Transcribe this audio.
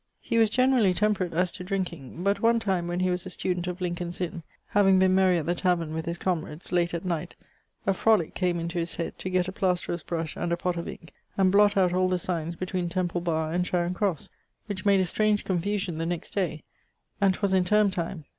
He was generally temperate as to drinking; but one time when he was a student of Lincolne's Inne, having been merry at the taverne with his camerades, late at night, a frolick came into his head, to gett a playsterer's brush and a pott of inke, and blott out all the signes between Temple barre and Charing crosse, which made a strange confusion the next day, and 'twas in Terme time.